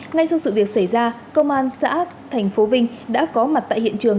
ngay sau sự việc xảy ra công an xã thành phố vinh đã có mặt tại hiện trường